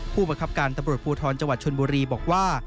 ผู้บังคับการตำรวจภูทรจังหวัดชนบุรีบอกว่า